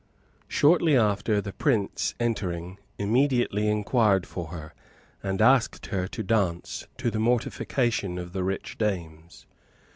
Shortly after, the prince entering, immediately inquired for her, and asked her to dance, to the mortification of the rich dames.